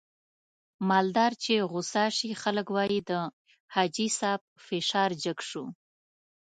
مالدار چې غوسه شي خلک واي د حاجي صاحب فشار جګ شو.